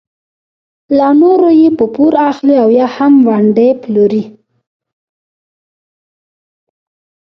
له نورو یې په پور اخلي او یا هم ونډې پلوري.